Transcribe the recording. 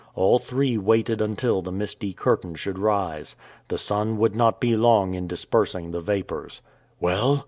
All three waited until the misty curtain should rise. The sun would not be long in dispersing the vapors. "Well?"